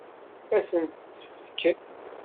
Ad sent-tt-tefk?